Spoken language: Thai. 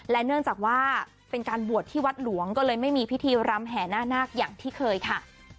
เนื่องจากว่าเป็นการบวชที่วัดหลวงก็เลยไม่มีพิธีรำแห่หน้านาคอย่างที่เคยค่ะ